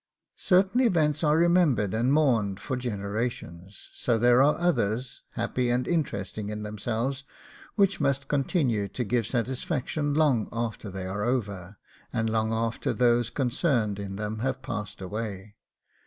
V Certain events are remembered and mourned for generations, so there are others, happy and interesting in themselves, which must continue to give satisfaction long after they are over, and long after those concerned in them have passed away.